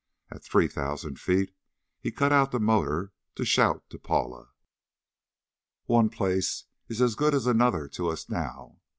At three thousand feet he cut out the motor to shout to Paula. "One place is as good as another to us, now.